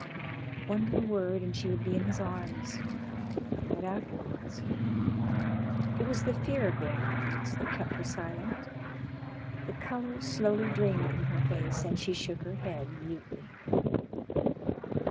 One little word and she would be in his arms ... but afterwards ? It was the fear of the afterwards that kept her silent. The colour slowly drained from her face and she shook her head mutely.